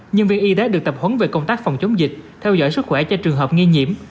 nhân viên y tế được tập huấn về công tác phòng chống dịch theo dõi sức khỏe cho trường hợp nghi nhiễm